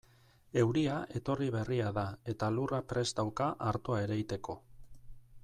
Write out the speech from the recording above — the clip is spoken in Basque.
Euria etorri berria da eta lurra prest dauka artoa ereiteko.